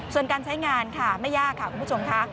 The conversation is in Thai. ส่วนการใช้งานค่ะไม่ยากค่ะคุณผู้ชมค่ะ